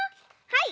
はい。